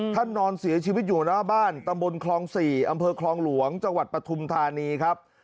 นอนเสียชีวิตอยู่หน้าบ้านตำบลคลอง๔อำเภอคลองหลวงจังหวัดปฐุมธานีครับ